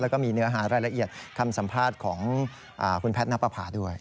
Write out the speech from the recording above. แล้วก็มีเนื้อหารายละเอียดคำสัมภาษณ์ของคุณแพทย์นับประพาด้วย